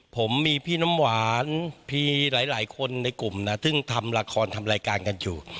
ผมมีพี่น้ำหวานพี่หลายคนในกลุ่มนะซึ่งทำละครทำรายการกันอยู่